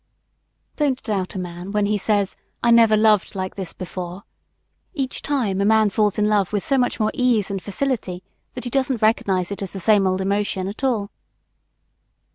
Don't doubt a man when he says, "I never loved like this before." Each time a man falls in love with so much more ease and facility that he doesn't recognize it as the same old emotion at all.